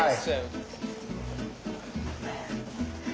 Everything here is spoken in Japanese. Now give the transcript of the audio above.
そう。